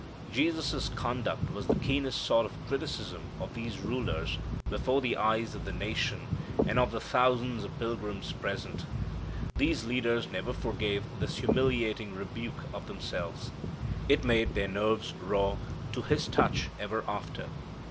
Jesus' conduct was the keenest sort of criticism of these rulers, before the eyes of the nation and of the thousands of pilgrims present. These leaders never forgave this humiliating rebuke of themselves. It made their nerves raw to His touch ever after.